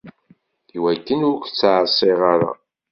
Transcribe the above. Iwakken ur k-ttɛaṣiɣ ara.